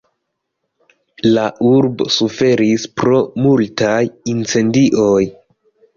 La urbo suferis pro multaj incendioj.